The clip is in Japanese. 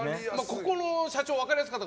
ここの社長分かりやすかった。